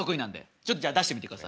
ちょっとじゃあ出してみてください。